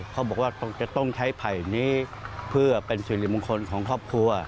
เขาบอกว่าจะต้องใช้ไผ่นี้เพื่อเป็นสิริมงคลของครอบครัว